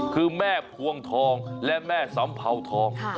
คือแม่พวงทองและแม่สำเภาทอง